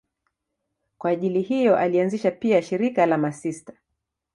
Kwa ajili hiyo alianzisha pia shirika la masista.